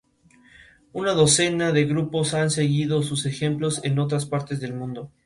Una docena de grupos han seguido su ejemplo en otras partes del mundo.